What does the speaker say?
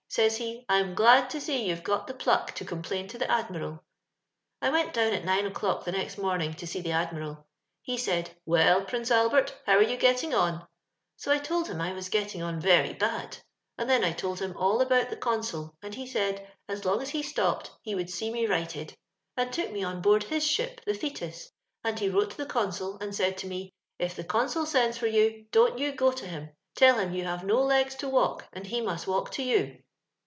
Soys he, *I'm glad to see you're got the plnek to oomplam to the Admiral.' " I went down atnine o'clock the next morn ing, to see the Admiral. He said, *Well, Fnnce Albert, how are yon getting on f ' So I told him I was getting on Teiy bad ; and then I told him all abont the eonsol; snd he said, as bng SB ho stopped he woold seeme righted, and took me on board his ship, the TheiU; snd he wrote to the consul, and said to me, ' If the consul sends fbr yoo, don't yon go to him ; tell him you have no legs to walk, and he must walk to you.'